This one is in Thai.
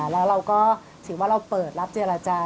แล้วเราก็ถือว่าเราเปิดรับเจรจา